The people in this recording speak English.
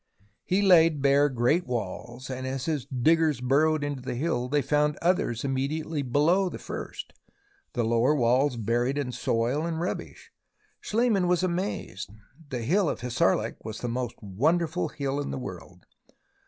He laid bare great walls, and as his diggers burrowed into the hill they found others immediately below the first, the lower walls buried in soil and rubbish. Schliemann was amazed. The Hill of Hissarlik was the most wonderful hill in the world.